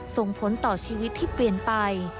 ส่งผลต่อชีวิตที่เปลี่ยนไป